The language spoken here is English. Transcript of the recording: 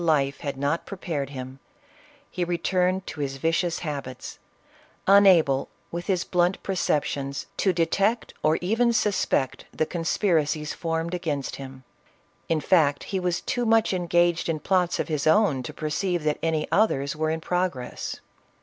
401 life had not prepared him, he returned to his vicious habits, unable with his blunt perceptions to detect, or even suspect, the conspiracies formed against him. In fact he was too much engaged in plots of his own to perceive that any others were in progress.